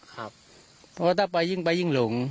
เพราะว่าถ้าไปยิ่งไปยิ่งหลง